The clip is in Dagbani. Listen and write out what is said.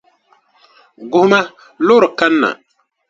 Guhima, loori kanna.